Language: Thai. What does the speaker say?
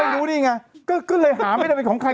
รู้นี่ไงก็เลยหาไม่ได้เป็นของใคร